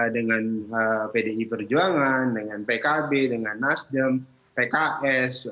dengan pdi perjuangan dengan pkb dengan nasdem pks